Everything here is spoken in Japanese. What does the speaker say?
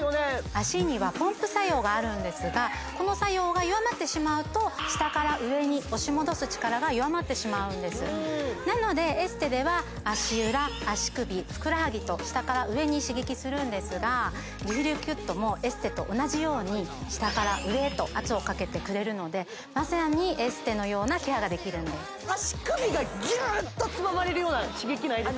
脚にはポンプ作用があるんですがこの作用が弱まってしまうと下から上に押し戻す力が弱まってしまうんですなのでエステでは足裏足首ふくらはぎと下から上に刺激するんですがリフレキュットもエステと同じように下から上へと圧をかけてくれるのでまさにエステのようなケアができるんです足首がギュッとつままれるような刺激ないですか？